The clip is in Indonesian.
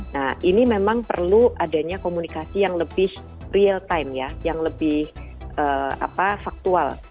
nah ini memang perlu adanya komunikasi yang lebih real time ya yang lebih faktual